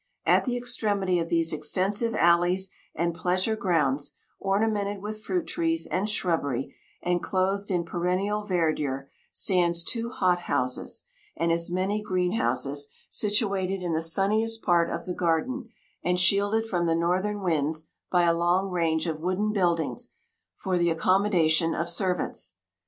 At the extremity of these extensive alleys and pleasure grounds, ornamented with fruit trees and shrubbery, and clothed in perennial verdure, stands two hot houses, and as many green houses, situated in the sunniest part of the garden, and shielded from the northern winds by a long range of wooden buildings for the accommodation of servants.